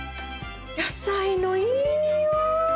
野菜のいいにおい！